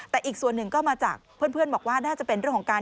แต่อีกส่วนหนึ่งก็มาจากเพื่อนบอกว่าน่าจะเป็นเรื่องของการ